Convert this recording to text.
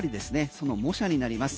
その模写になります。